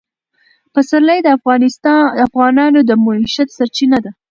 پسرلی د افغانانو د معیشت سرچینه ده.